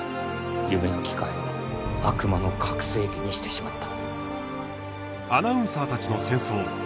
夢の機械を悪魔の拡声機にしてしまった。